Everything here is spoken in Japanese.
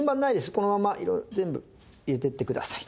このままいろいろ全部入れていってください。